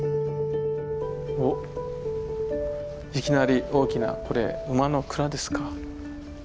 おっいきなり大きな馬の鞍ですか？